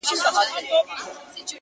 چي تابه وكړې راته ښې خبري ـ